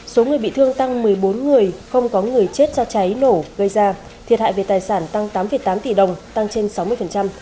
số người bị thương tăng một mươi bốn người không có người chết do cháy nổ gây ra thiệt hại về tài sản tăng tám tám tỷ đồng tăng trên sáu mươi